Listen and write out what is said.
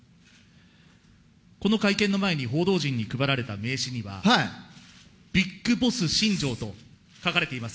この会見の前に報道陣に配られた名刺には、ビッグボス新庄と書かれています。